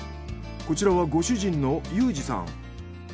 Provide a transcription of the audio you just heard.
こちらはご主人の裕司さん。